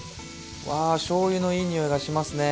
わあしょうゆのいい匂いがしますね！